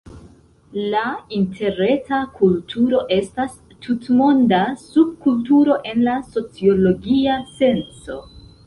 La interreta kulturo estas tutmonda subkulturo en la sociologia senco.